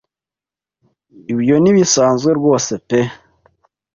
Ibyo ntibisanzwe rwose pe?